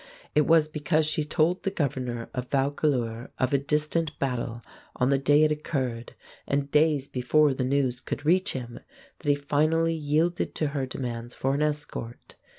It was because she told the governor of Vaucouleurs of a distant battle on the day it occurred and days before the news could reach him that he finally yielded to her demands for an escort.